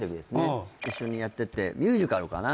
うん一緒にやっててミュージカルかな